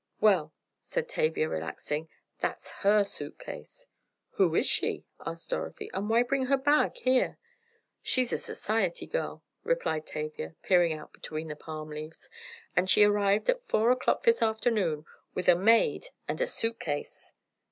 "Well," said Tavia relaxing, "that's her suit case." "Who is she?" asked Dorothy, "and why bring her bag here?" "She's a society girl," replied Tavia, peering out between the palm leaves, "and she arrived at four o'clock this afternoon with a maid and a suit case."